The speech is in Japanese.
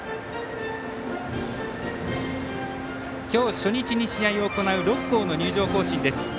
今日初日に試合を行う６校の入場行進です。